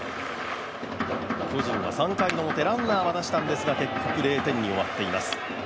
巨人は３回の表ランナーは出したんですが結局０点に終わっています。